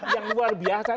yang luar biasa